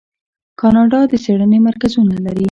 کاناډا د څیړنې مرکزونه لري.